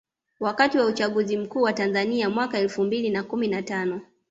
Wakati wa uchaguzi mkuu wa Tanzania mwaka elfu mbili na kumi na tano